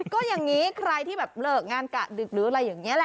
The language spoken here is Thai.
ก็อย่างนี้ใครที่แบบเลิกงานกะดึกหรืออะไรอย่างนี้แหละ